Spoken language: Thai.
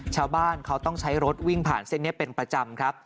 ชาวบ้านเขาต้องใช้รถวิ่งผ่านเส้นนี้เป็นประจำครับ